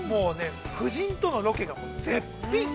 夫人とのロケが絶品。